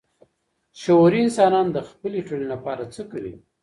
شعوري انسانان د خپلي ټولني لپاره څه کوي؟